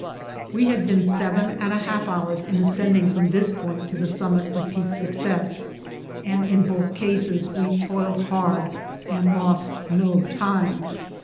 We had been seven and a half hours in ascending from this point to the summit of Peak Success, and in both cases we toiled hard and lost no time.